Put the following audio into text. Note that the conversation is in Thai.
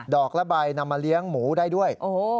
อกละใบนำมาเลี้ยงหมูได้ด้วย